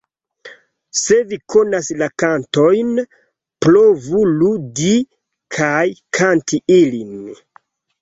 Se vi konas la kantojn, provu ludi kaj kanti ilin!